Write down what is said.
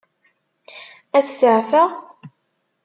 Ad t-seɛfeɣ?